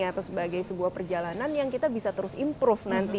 atau sebagai sebuah perjalanan yang kita bisa terus improve nanti